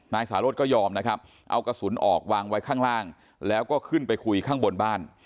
นายสารสก็ยอมนะครับเอากระสุนออกวางไว้ข้างล่างแล้วก็ขึ้นไปคุยข้างบนบ้าน